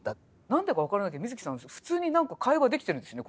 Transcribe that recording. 何でか分からないけど水木さん普通に何か会話できてるんですね